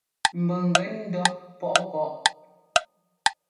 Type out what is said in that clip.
Mbʉ́ŋ gɛ ndɔ́ pɔʼɔ kɔ́.